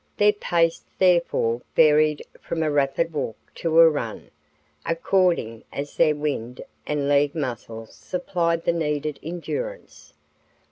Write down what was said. Their pace therefore varied from a rapid walk to a run, according as their "wind" and leg muscles supplied the needed endurance.